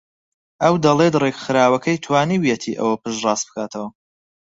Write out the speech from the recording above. ئەو دەڵێت ڕێکخراوەکەی توانیویەتی ئەوە پشتڕاست بکاتەوە